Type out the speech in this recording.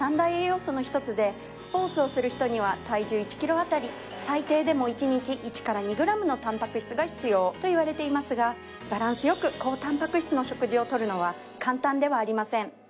スポーツをする人には体重１ｋｇあたり最低でも１日１から２ｇのタンパク質が必要といわれていますがバランス良く高タンパク質の食事を取るのは簡単ではありません。